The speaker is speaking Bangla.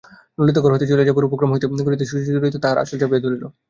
ললিতা ঘর হইতে চলিয়া যাইবার উপক্রম করিতেই সুচরিতা তাহার আঁচল চাপিয়া ধরিল।